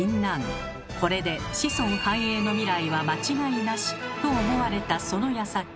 これで子孫繁栄の未来は間違いなし。と思われたそのやさき。